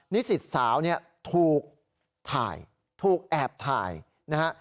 นิสิตสาวเนี่ยถูกถ่ายถูกแอบถ่ายนะฮะ